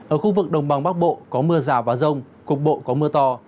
ở khu vực đồng bằng bắc bộ có mưa rào và rông cục bộ có mưa to